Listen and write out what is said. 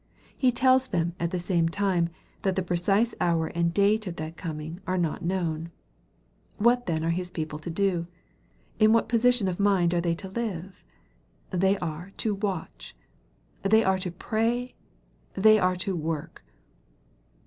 He tells them at the same time, that the precise hour and date of that coming are not known. What then are His people to do ? In what position of mind are they to live ? They are to watch. They are to pray. They are to work.